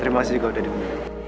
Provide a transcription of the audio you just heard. terima kasih juga udah diundang